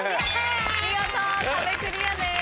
見事壁クリアです。